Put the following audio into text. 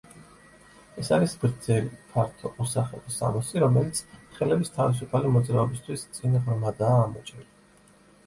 ეს არის გრძელი, ფართო, უსახელო სამოსი, რომელიც ხელების თავისუფალი მოძრაობისთვის წინ ღრმადაა ამოჭრილი.